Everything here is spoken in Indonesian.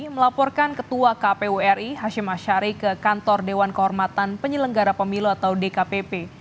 melaporkan ketua kpu ri hashim ashari ke kantor dewan kehormatan penyelenggara pemilu atau dkpp